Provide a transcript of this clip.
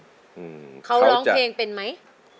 เราร้องเพลงเป็นไหม